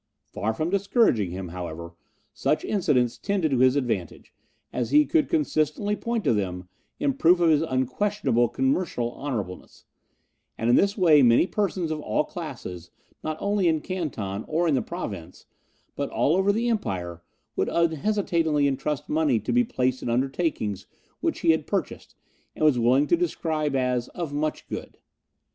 Far from discouraging him, however, such incidents tended to his advantage, as he could consistently point to them in proof of his unquestionable commercial honourableness, and in this way many persons of all classes, not only in Canton, or in the Province, but all over the Empire, would unhesitatingly entrust money to be placed in undertakings which he had purchased and was willing to describe as "of much good."